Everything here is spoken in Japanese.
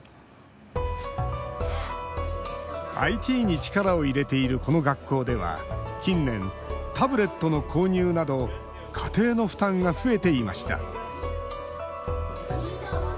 ＩＴに力を入れているこの学校では近年、タブレットの購入など家庭の負担が増えていました。